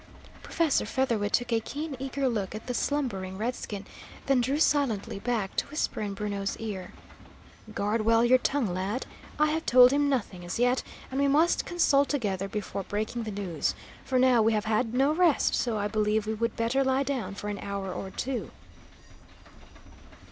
Professor Featherwit took a keen, eager look at the slumbering redskin, then drew silently back, to whisper in Bruno's ear: "Guard well your tongue, lad. I have told him nothing, as yet, and we must consult together before breaking the news. For now we have had no rest, so I believe we would better lie down for an hour or two."